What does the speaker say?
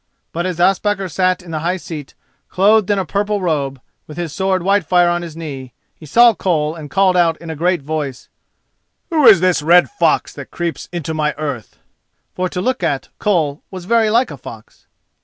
But as Ospakar sat in the high seat, clothed in a purple robe, with his sword Whitefire on his knee, he saw Koll, and called out in a great voice: [*] An able bodied Goblin. "Who is this red fox that creeps into my earth?" For, to look at, Koll was very like a fox.